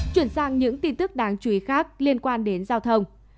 chuyển sang những tin tức đáng chú ý khác liên quan đến giao thông